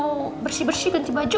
mau bersih bersih ganti baju